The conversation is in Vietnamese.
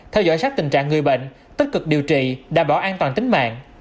theo dõi sát tình trạng người bệnh tích cực điều trị đảm bảo an toàn tính mạng